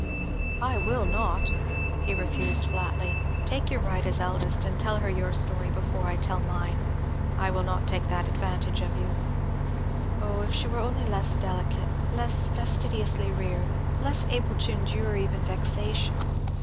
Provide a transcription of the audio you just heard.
"I will not," he refused flatly. "Take your right as eldest and tell her your story before I tell mine. I will not take that advantage of you. Oh, if she were only less delicate, less fastidiously reared, less unable to endure even vexation!